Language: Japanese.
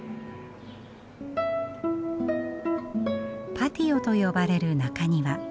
パティオと呼ばれる中庭。